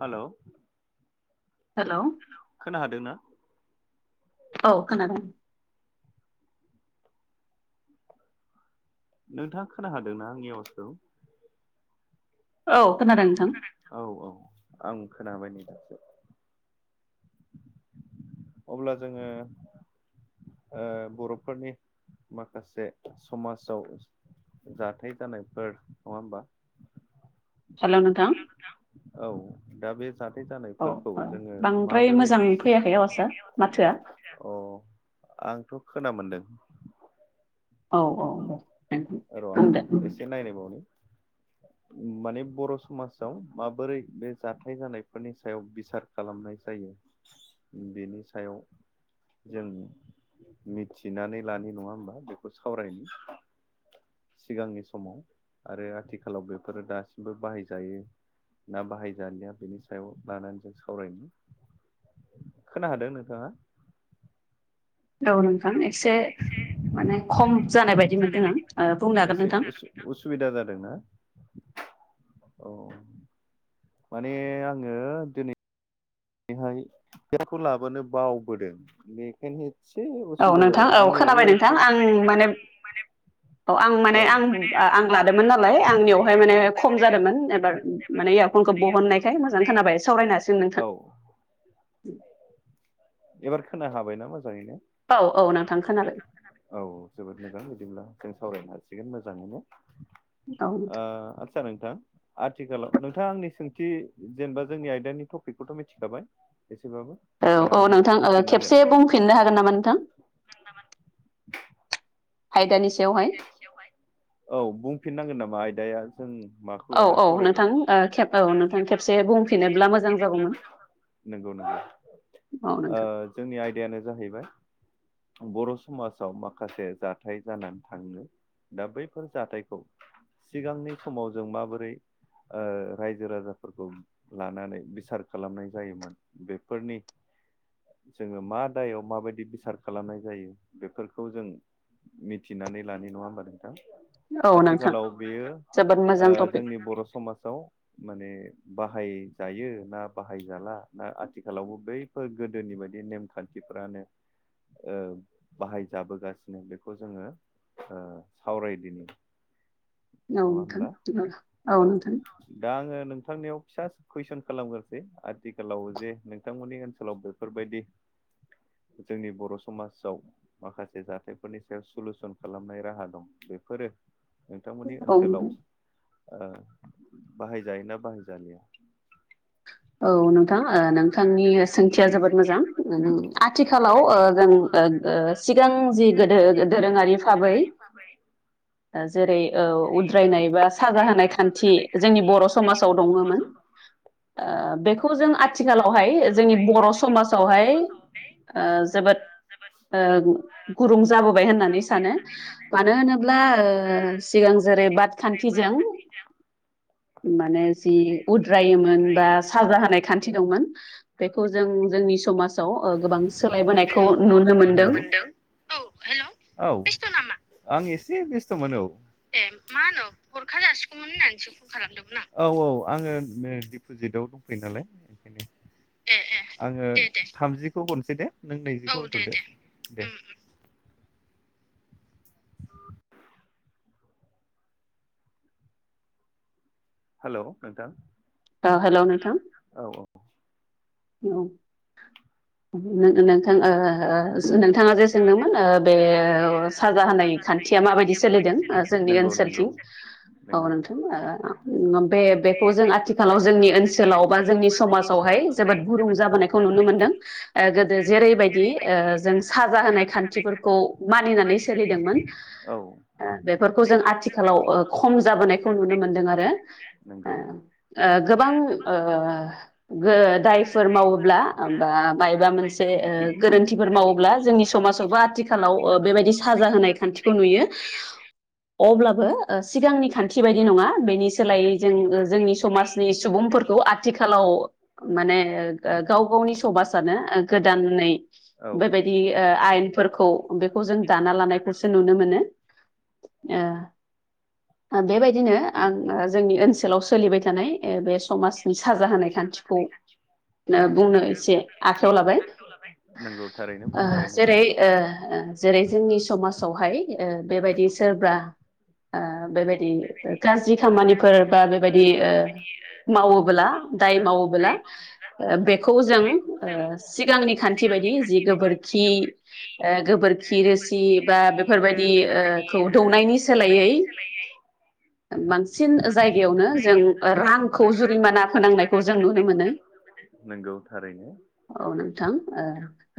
हेल' हेल' खोना हादोंना? औ खोनादों। नोंथाङा खोना हादोंना आंनि आवाजखौ। औ खोनादों नोंथां औ औ आं खोनाबाय नै दासो। अब्ला जोङो ओ बर'फोरनि माखासे समाजाव जाथाय जानायफोर नङा होमबा हेल' नोंथां। औ दा बे जाथाय औ जानायफोरखौ औ जोङो बांद्राय माबोरै मोजां अ फैयाखै आवाजआ माथोआ आंथ' खोना मोनदों। औ औ दे। नोंथां र' एसे बुंदो नायनायबावनि माने बर' समाजाव माबोरै बे जाथाय जानायफोरनि सायाव बिसार खालामनाय जायो बेनि सायाव जों मिथिनानै लानाय नङा होमबा बेखौ सावरायनो सिगांनि समाव आरो आथिखालाव बेफोरो दासिमबो बाहाय जायो। ना बाहायजालिया बेनि सायाव लानानै जों सावरायनो खोना हादों नोंथाङा? औ नोंथां एसे माने खम जानाय बायदि मोनदों आं बुंनो हागोन नोंथां। खोनादोंना? औ माने आङो दिनै बेहाय [inaudible] लाबोनो बावबोदों बेखायनो एसे औ उसुबिदा नोंथां जाबाय औ आंनि खोनाबाय नोंथां आं माने अ आं औ माने आं आं लादोंमोन नालाय आंनियावहाय माने खम जादोंमोन एबार माने इरफन खौ बहननायखाय मोजां खोनाबाय सावरायनो हासिगोन औ नोंथां। एबार खोना हाबाय ना मोजां? मोजाङैनो औ औ नोंथां खोनाबाय औ जोबोद मोजां बिदिब्ला जों सावरायनो हा थिगैनो मोजाङैनो औ ओ नोंथां आथि सार नोंथां आथिखालाव नोंथाङा आंनि सोंथि जेनेबा जोंनि आयदानि टपिकखौथ' मिथिखाबाय? एसेबाबो दा मो थां ओ खेबसे बुंफिननो हागोन नामा नोंथां? आयदानि सायावहाय औ बुंफिननांगोन नामा आयदाया जों माखौ औ लानानै औ सावरायगोन नोंथां ओ खेब औ नोंथां खेबसे बुंफिनोब्ला मोजां जागौमोन। नंगौ नंगौ औ ओ नोंथां जोंनि आयदायानो जाहैबाय बर' समाजाव माखासे जाथाय जानानै थाङो दा बैफोर जाथायखौ सिगांनि समाव जों माबोरै ओ रायजो राजाफोरखौ लानानै बिसार खालामनाय जायोमोन बेफोरनि जोङो मा दायाव माबायदि बिसार खालामनाय जायो बेफोरखौ जों मिथिनानै लानि नङा होमबा नोंथां? औ नोंथां आथिखालाव बेयो जोबोद मोजां ओ टपिक जोंनि बर' समाजाव माने बाहायजायो ना बाहायजाला ना आथिखालावबो बैफोर गोदोनि बायदि नेमखान्थिफ्रा फ्रानो ओ बाहाय जाबोगासिनो बेखौ जोङो ओ सावरायदिनि। औ नङा होमब्ला नोंथां औ नोंथां। दा आङो नोंथांनियाव फिसा कुइसन खालामगोरसै आथिखालाव जे नोंथांमोननि ओनसोलाव बेफोरबायदि जोंनि बर' बर' समाजाव माखासे जाथायफोरनि सायाव सलुसन खालामनाय राहा दं बेफोरो नोंथांमोननि औ ओनसोलाव ओ बाहायजायोना बाहायजालिया? औ नोंथां ओ नोंथांनि सोंथिया जोबोद मोजां। आथिखालाव ओ ओं ओं ओ सिगां जि गोदो दोरोङारि भाबै ओ जेरै ओ उद्रायनाय बा साजा होनाय खान्थि जोंनि बर' समाजाव दङमोन। ओ बेखौ जों आथिखालावहाय जोंनि बर' समाजावहाय ओ जोबोद ओ गुरुं जाबोबाय होननानै सानो मानो होनोब्ला ओ सि सिगां जेरै बादखान्थिजों माने जि उद्रायोमोन बा साजा होनाय खान्थि दंमोन बेखौ जों जोंनि समाज याव गोबां सोलायबोनायखौ हेल' नुनो मोनदों। औ हेल' बेस्थ' नामा? आं एसे बेस्थ'मोन औ। औ औ आङो दिपुजिटआव दंफैयो नालाय ओंखायनो आङो थामजिखौ हनसै दे नों नैजिखौ होथ'दो दे। हेलौ नोंथां। औ हेल' नोंथां। औ औ औ नों नोंथां ओ ओ ओ नोंथाङा जे सोंदोंमोन ओ बे ओ साजा होनाय खान्थिया मा माबायदि सोलिदों ओ जोंनि ओनसोलथिं औ नंगौ नोंथां ओ बे बेखौ जों आथिखालाव जोंनि ओनसोलाव बा जोंनि समाजावहाय जोबोद गुरुं जाबोनायखौ नुनो मोनदों। ओ गोदो जेरैबायदि ओ जों साजा होनाय खान्थिफोरखौ मानिनानै सोलिदोंमोन। औ ओ बेफोरखौ जों आथिखालाव खम जाबोनायखौ नुनो मोनदों आरो नोंगौ ओ ओ गोबां ओ गो दायफोर मावोब्ला बा बायबा मोनसे गोरोन्थिफोर मावोब्ला जोंनि समाजावबो आथिखाल आथिखालाव बेबायदि साजा होनाय खान्थिखौ नुयो अब्लाबो सिगांनि खान्थि बायदि नङा बेनि सोलायै जों जोंनि समाजनि सुबुं फोरखौ आथिखालाव माने गाव गावनि समाजानो गोदानै औ बेबायदि ओ आयेनफोर फोरखौ बेखौ जों दाना लानायखौसो नुनो मोनो ओ बेबायदिनो आं जोंनि ओनसोलाव सोलिबाय था थानाय बे समाजनि साजा होनाय खान्थिखौ बुंनो एसे आखायाव लाबाय नोंगौ था ओ जेरै ओ जेरै जोंनि समाजावहाय बेबायदि सोरबा ओ बेबाय दि गाज्रि खामानिफोर बा बेबायदि मावोब्ला दाय मावोबोला ओ बेखौ जों ओ सिगांनि खान्थि बायदि जि गोबोरखि ओ। गोबोरखि रोसि बा बेफोरबायदि ओ खौ दौनायनि सोलायै। ओ बांसिन ओ जायगायावनो जों ओ रांखौ जुरिमाना फोनांनायखौ जों नुनो मोनो। नंगौ थारैनो औ नोंथां ओ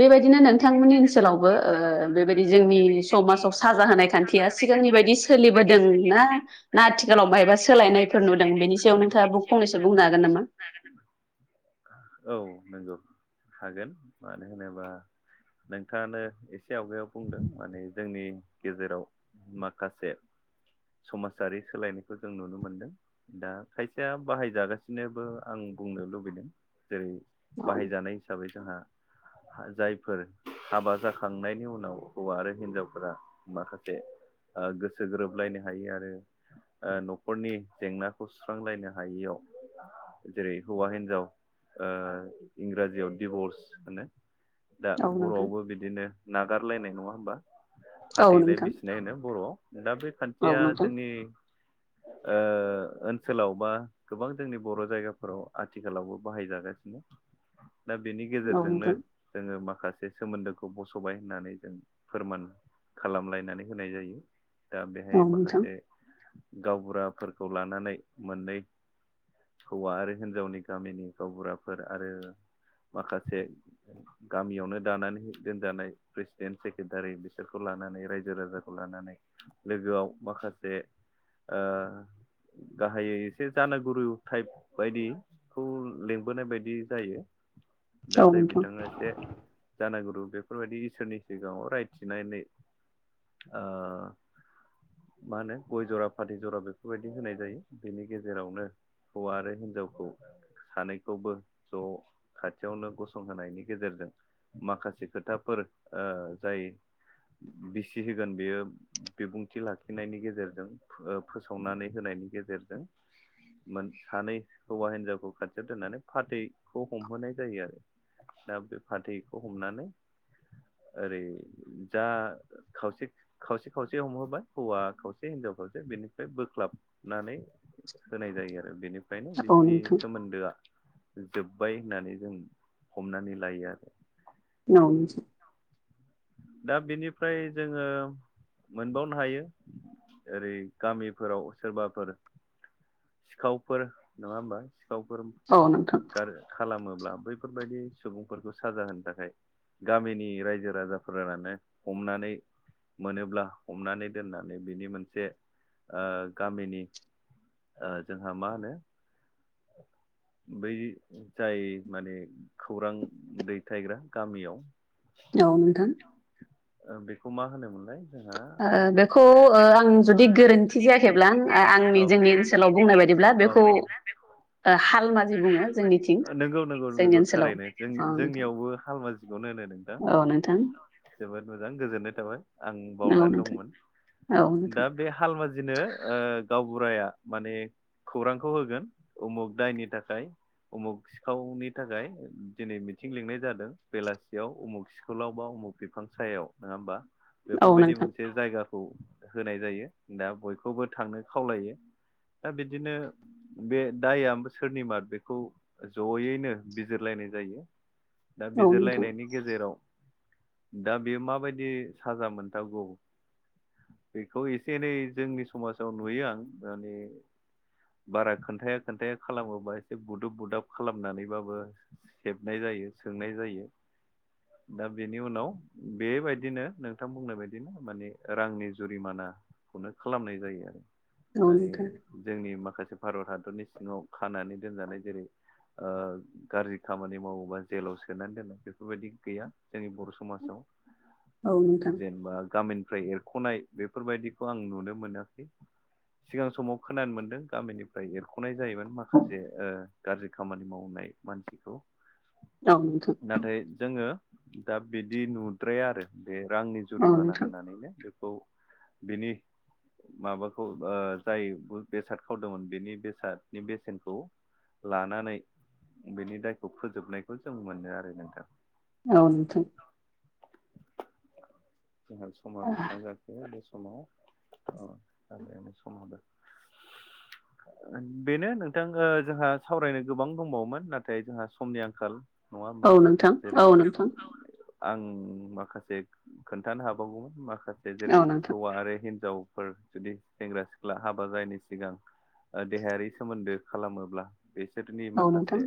बेबाय नो नोंथांमोननि ओनसोलावबो ओ बेबायदि जोंनि समाजाव साजा होनाय खान्थिया सिगांनि बायदि। सोलिबोदों ना ना आथिखालाव मायबा सोलायनायफोर नुदों बेनि सायाव नोंथाङा बुक फंनैसो बुंनो हागोन ज नाम [unintelligible] औ नोंगौ हागोन मानो होनोबा नोंथाङानो एस एसे आवगायाव बुंदों माने जोंनि गेजेराव माखासे। समाजारि सोलायनायखौ जों नुनो मोनदों दा खायसेया बाहायजागासिनोबो आं। बुंनो लुबैदों जेरै औ बाहायजानाय हिसाबै जोंहा हा जाय। फोर हाबा जाखांनायनि उनाव हौवा आरो हिन्जावफोरा माखासे। ओ गोसो गोरोबलायनो हायो आरो। ओ न'खरनि जेंनाखौ सुस्रांलायनो हायैयाव जेरै हौवा हिन्जाव। ओ इंराजियाव दिभर्स होनो। दा औ नोंथां बर'आवबो बिदिनो नागारलायनाय नङा होमबा। औ फाथैलाय नोंथां बिसिनाय होनो बर'आव दा बे औ खान्थिया नोंथां जोंनि। ओ। ओनसोलाव बा गोबां जोंनि बर' जायगाफोराव आथिखालावबो बाहायजागासिनो। दा बेनि औ गेजेरजोंनो। नोंथां जोङो माखासे सोमोन्दोखौ बस'बाय होननानै जों फोरमान। खालामलायनानै होनाय जायो दा बेहाय माखासे। गावबुराफोरखौ लानानै मोननै। हौवा आरो हिन्जावनि गामिनि गावबुराफोर आरो माखासे। गामियावनो दानानै दोनजानाय प्रेसिडेन्ट सेक्रेटारि बिसोरखौ लानानै रायजो राजाखौ ला लानानै लोगोआव माखासे ओ। गाहायै एसे जानोगुरु टाइप बायदि खौ लिंबोनाय बायदि जायो। औ नोंथां। नो एसे जा जानाय गुरु बेफोरबायदि इसोरनि सिगाङाव रायथिनायनै ओ। मा होनो गय जरा फाथै जरा बेफोरबायदि होनाय जायो बेनि गेजेरावनो। हौवा आरो हिन्जावखौ सानैखौबो ज' खाथियावनो गसं। होनायनि गेजेरजों माखासे खोथाफोर ओ जायो। बिसि होगोन बेयो बिबुंथि लाखिनायनि गेजेरजों फो ओ फोसावनानै होनाय। बिनि गेजेरजों मोन सानै हौवा हिन्जावखौ खाथियाव दोननानै फाथै खौ हमहोनाय जायो आरो दा बे फाथैखौ हमनानै ओरै जा खावसे खावसे खावसे हमहोबाय हौवा खावसे हिन्जाव खावसे बेनिफ्राय बोख्लाबनानै होनाय जायो आरो बेनिफ्रायनो औ बिसिनि नोंथां सोमोन्दोआ जोब्बाय होननानै जों हमनानै लायो आरो। [unintelligible] दा बेनिफ्राय जोङो मोनबावनो हायो ओरै गामिफोराव सोरबाफोर सिखावफोर नङा होमबा सिखावफोरोम औ नोंथां गार खालामो ब्ला बैफोरबायदि सुबुंफोरखौ साजा होनो थाखाय गामिनि रायजो राजाफोरानो हम नानै मोनोब्ला हमनानै दोननानै बिनि मोनसे ओ गामिनि ओ जोंहा मा होनो बै जाय माने खौरां दैथायग्रा गामियाव औ नोंथां। बेखौ मा होनोमोनलाय? जोंहा ओ बेखौ ओ आं जुदि गोरोन्थि जायाखैब्ला आंनि जोंनि ओनसोलाव बुंनाय बायदि ब्ला बेखौ ओ हालमाजि बुङो जोंनिथिं नंगौ नंगौ जोंनि नंगौ ओनसोलाव थारैनो ओम जोंनियावबो हालमाजिखौनो होनो नोंथां औ नोंथां। जोबोद मोजां गोजोननाय थाबाय। आं औ बावनानै नोंथां दंमोन औ दा नोंथां बे हालमाजिनो ओ गावबुराया माने खौरांखौ होगोन उमुग दायनि थाखाय उमुग सिखावनि थाखाय दिनै मिथिं लिंनाय जादों बेलासियाव उमुग सिखलाव बाव बिफां सायाव नङा होमबा औ बेफोरबायदि नोंथां मोनसे जायगा खौ होनाय जायो दा बयखौबो थांनो खावलायो। दा बिदिनो बे दायया सोरनि मार बेखौ जयैनो बिजिरलायनाय जायो। दा औ नोंथां बिजिरलायनायनि गेजेराव दा बेयो माबायदि साजा मोनथावगौ बेखौ एसे एनै जोंनि समाजाव नुयो आं माने बारा खोन्थायाखै खोन्थाया खालामोबा एसे बुदुब बुदाब खालामनानैबाबो सेबनाय जायो सोंनाय जायो। दा बेनि उनाव बेबायदिनो नोंथां बुंनाय बायदि माने रांनि जुरिमाना खालामनाय जायो आरो औ मानि नोंथां जोंनि माखासे भारत हादरनि सिङाव खानानै दोनजानाय जेरै ओ गाज्रि खामानि मावोबा जेलाव सोनानै दोन बे बेफोरबायदि गैया जोंनि बर' समाजाव औ नोंथां जेनेबा गामिनि ओमफ्राय एरख'नाय बेफोरबायदिखौ आं नुनो मोनाखै सिगां समाव खोनानो मोनदों गामिनिफ्राय एरख जायोमोन माखासे ओ गाज्रि खामानि मावनाय मानसिखौ औ नोंथां नाथाय जोङो दा बिदि नुद्राया आरो बे रांनि औ जुरिमाना नोंथां होनानैनो बेखौ बिनि माबाखौ ओ जाय बेसाद खावदोंमोन बेनि बे सादनि बेसेनखौ लानानै बेनि दायखौ फोजोबनायखौ जों मोनो आरो नोंथां। औ नोंथां। जोंहा समा बेसेबां जाखो बे समाव [inaudible] ओ बेनो नोंथां ओ जोंहा सावरायनो गोबां दंबावोमोन नाथाय जोंहा समनि आंखाल नङा होमबा? औ नोंथां जेरै औ नोंथां औ नोंथां आं माखासे खोन्थानो हाबावगौमोन माखासे जेरै हौवा आरो हिन हिनजावफोर जुदि सेंग्रा सिख्ला हाबा जायैनि सिगां ओ देहायारि सोमोन्दो खालामोब्ला बिसोरनि औ नोंथां माखासे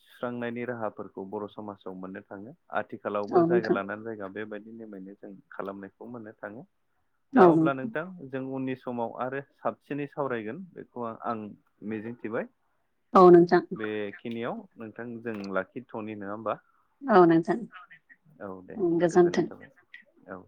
सुस्रांनायनि राहाफोरखौ बर' समाजाव मोननो थाङो। आथिखालावबो औ जायगा नोंथां लानानै जायगा बेबायदि [unintelligible] जों खालामनायखौ मोननो थाङो दा औ नों अब्ला नोंथां जों उननि समाव आरो साबसिनै सावरायगोन बेखौ आ-आं मिजिंथिबाय। औ नोंथां बेखिनियाव नोंथां जों लाखिथ'नि नङा होमबा? औ नोंथां औ दे गोजोननाय गोजोन्थों थाबाय औ।